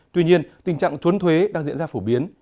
tuy nhiên tình trạng trốn thuế đang diễn ra phổ biến